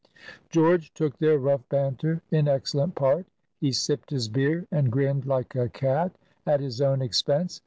George took their rough banter in excellent part. He sipped his beer, and grinned like a cat at his own expense.